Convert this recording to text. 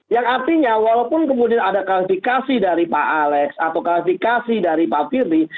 yang artinya walaupun kemudian ada klasifikasi dari pak alex atau klasifikasi dari pak firdy